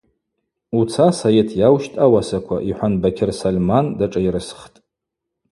Уца, Сайыт, йаущт ауасаква, – йхӏван Бакьыр Сольман дашӏайрысхтӏ.